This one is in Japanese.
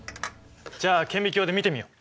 じゃあ顕微鏡で見てみよう。